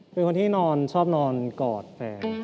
เป็นคนที่นอนชอบนอนกอดแฟน